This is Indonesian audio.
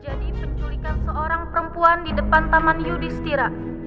jadi penculikan seorang perempuan di depan taman yudhistira